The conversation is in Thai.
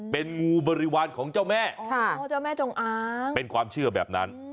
เป็นงูบริวารของเจ้าแม่เป็นความเชื่อแบบนั้น